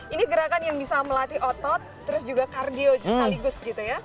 ini gerakan yang bisa melatih otot terus juga kardio sekaligus gitu ya